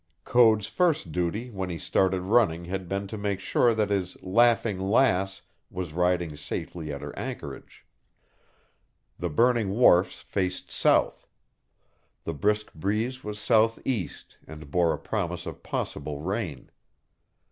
Code's first duty when he started running had been to make sure that his Laughing Lass was riding safely at her anchorage. The burning wharfs faced south. The brisk breeze was southeast and bore a promise of possible rain.